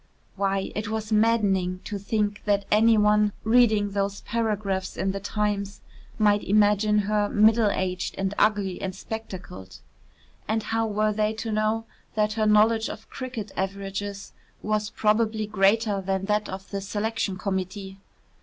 Why, it was maddening to think that any one reading those paragraphs in the "Times" might imagine her middle aged and ugly and spectacled. And how were they to know that her knowledge of cricket averages was probably greater than that of the Selection Committee?